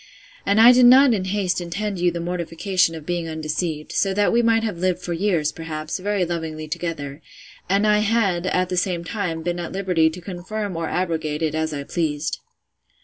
And I did not in haste intend you the mortification of being undeceived; so that we might have lived for years, perhaps, very lovingly together; and I had, at the same time, been at liberty to confirm or abrogate it as I pleased.